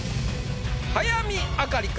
早見あかりか？